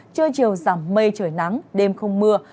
trưa chiều giảm mây trời nắng đêm không mưa